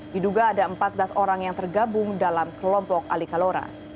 diduga ada empat belas orang yang tergabung dalam kelompok ali kalora